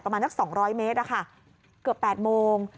ประมาณ๒๐๐เมตรนะคะเกือบ๘โมง